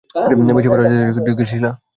বেশি তাড়াতাড়ি বিছানায় উঠে গেলি, শিলা?